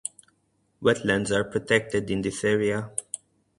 Wetlands are protected in this area.